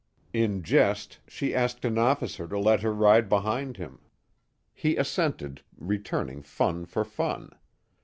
In jest, she asked an officer to let her ride behind him. He assented, returning fun for fun.